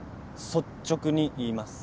率直に言います。